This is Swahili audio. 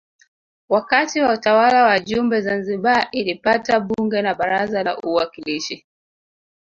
Wakati wa utawala wa Jumbe Zanzibar ilipata Bunge na Baraza la Uwakilishi